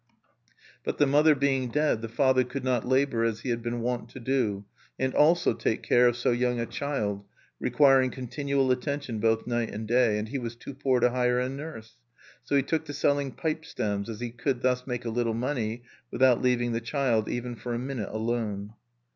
But the mother being dead, the father could not labor as he had been wont to do, and also take care of so young a child, requiring continual attention both night and day; and he was too poor to hire a nurse. So he took to selling pipe stems, as he could thus make a little money without leaving the child even for a minute alone.